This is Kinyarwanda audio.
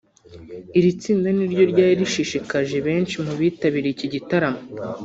Iri tsinda ni ryo ryari rishishikaje benshi mu bitabiriye iki gitaramo